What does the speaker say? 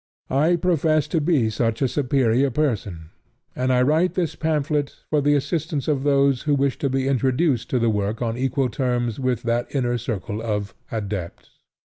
I profess to be such a superior person; and I write this pamphlet for the assistance of those who wish to be introduced to the work on equal terms with that inner circle of adepts.